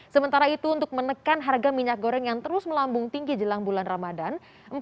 sementara itu untuk menekan harga minyak goreng yang terus melambung tinggi jelang bulan ramadan